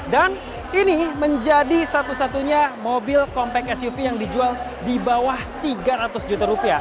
dan ini menjadi satu satunya mobil compact suv yang dijual di bawah tiga ratus juta rupiah